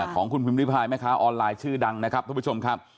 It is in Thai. ของคุณพิมพิพายแม่ค้าออนไลน์ชื่อดังนะครับทุกผู้ชมครับ